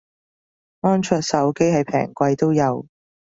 安卓手機係平貴都有